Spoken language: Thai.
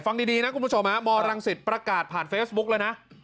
ฟังดีนะคุณผู้ชมมรังสิตประกาศผ่านเฟซบุ๊กแล้วนะ